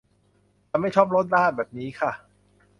ฉันไม่ชอบรสชาติแบบนี้ค่ะ